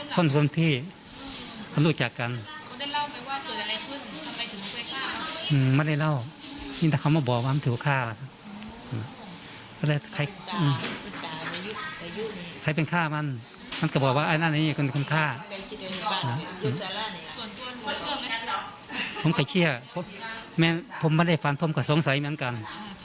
ผมไม่ได้ฟันเพิ่มกันสงสัยเหมือนกัน